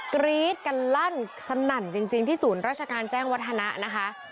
กรี๊ดกันลั่นสนั่นจริงที่ศูนย์ราชการแจ้งวัฒนะนะคะ